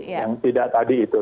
yang tidak tadi itu